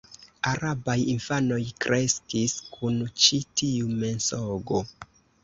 Arabaj infanoj kreskis kun ĉi tiu mensogo.